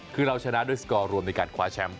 คือเราชนะด้วยสกอร์รวมในการคว้าแชมป์